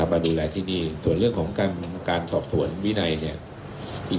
มาดูแลที่นี่ส่วนเรื่องของการสอบสวนวินัยเนี่ยอีก